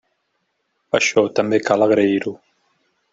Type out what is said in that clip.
Això també cal agrair-ho.